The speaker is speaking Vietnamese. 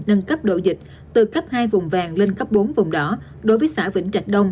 nâng cấp độ dịch từ cấp hai vùng vàng lên cấp bốn vùng đỏ đối với xã vĩnh trạch đông